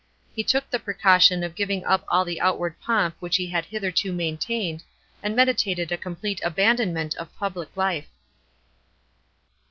He took the precaution of giving up all the outward pomp which he had hitherto maintained, and meditated a complete abandonment of public life.